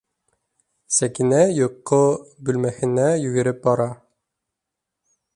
Сәкинә йоҡо бүлмәһенә йүгереп бара.